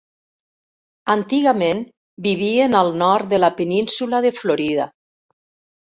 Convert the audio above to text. Antigament vivien al nord de la Península de Florida.